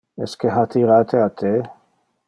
Esque ha tirate a te?